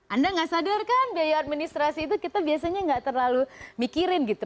anda nggak sadar kan biaya administrasi itu kita biasanya nggak terlalu mikirin gitu